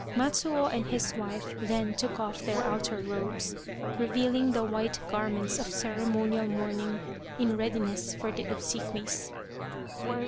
Matsuo and his wife then took off their outer robes, revealing the white garments of ceremonial mourning in readiness for the obsequies.